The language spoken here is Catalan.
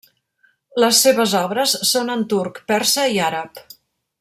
Les seves obres són en turc, persa i àrab.